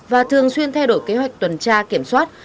và thường xuyên thay đổi kế hoạch tuần tra kiểm soát